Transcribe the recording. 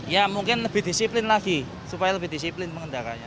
ya mungkin lebih disiplin lagi supaya lebih disiplin mengendaranya